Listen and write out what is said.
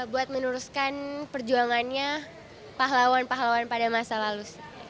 buat meneruskan perjuangannya pahlawan pahlawan pada masa lalu